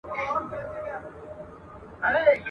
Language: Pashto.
د پلار اکثره چاري موږ مخته وړو.